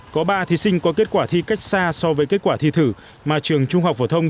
có ba thí sinh có kết quả thi cách xa so với kết quả thi thử mà trường trung học phổ thông